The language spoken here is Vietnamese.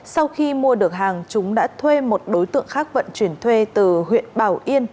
sau khi mua được hàng chúng đã thuê một đối tượng khác vận chuyển thuê từ huyện bảo yên